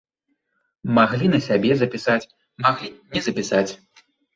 Маглі на сябе запісаць, маглі не запісаць.